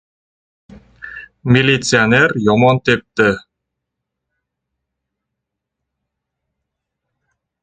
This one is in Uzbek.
Militsioner yomon tepdi!